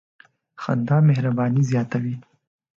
• خندا مهرباني زیاتوي.